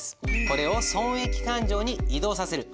これを損益勘定に移動させる。